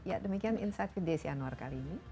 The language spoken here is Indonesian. ya demikian insight with desi anwar kali ini